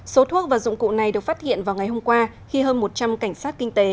số thuốc và dụng cụ này được phát hiện vào ngày hôm qua khi hơn một trăm linh cảnh sát kinh tế